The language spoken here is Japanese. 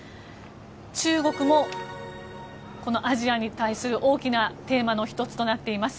中国もアジアに対する大きなテーマの１つとなっています。